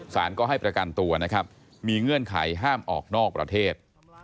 สารก็ให้ประกันตัวนะครับมีเงื่อนไขห้ามออกนอกประเทศ